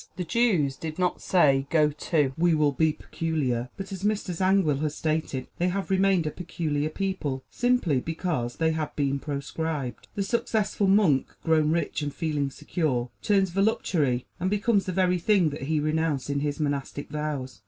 The Jews did not say, Go to, we will be peculiar, but, as Mr. Zangwill has stated, they have remained a peculiar people simply because they have been proscribed. The successful monk, grown rich and feeling secure, turns voluptuary and becomes the very thing that he renounced in his monastic vows.